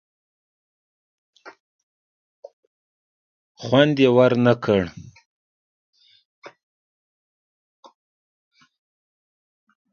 خوند یې ور نه کړ.